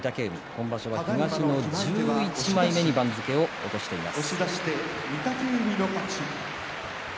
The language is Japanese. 今場所は東の１１枚目に番付を落としています。